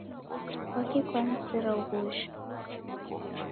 Kwaki kwanizera uw'ujha?